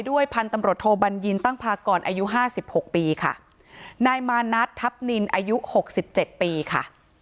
พันธุ์ตำรวจโทบัญญินตั้งพากรอายุห้าสิบหกปีค่ะนายมานัททัพนินอายุหกสิบเจ็ดปีค่ะ